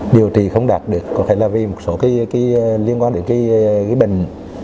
điều trị không đạt được có thể là vì một số liên quan đến bệnh